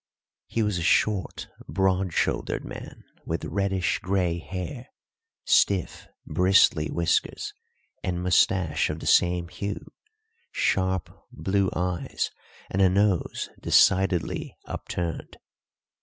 He was a short, broad shouldered man with reddish grey hair, stiff, bristly whiskers and moustache of the same hue, sharp blue eyes, and a nose decidedly upturned.